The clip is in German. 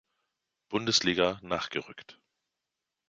Bundesliga nachgerückt.